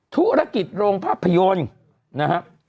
ธุรกิจโรงภาพยนตร์นะครับ